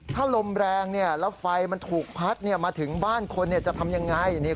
ถ้าลมแรงแล้วไฟมันถูกพัดมาถึงบ้านคนจะทำยังไง